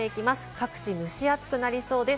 各地、蒸し暑くなりそうです。